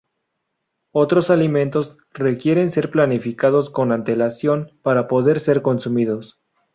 Otros alimentos requieren ser planificados con antelación para poder ser consumidos.